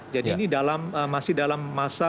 jadi ini masih dalam masa